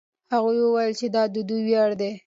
هغوی وویل چې دا د دوی ویاړ دی.